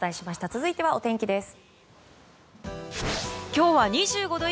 続いてはお天気です。